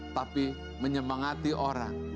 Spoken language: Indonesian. tapi menyemangati orang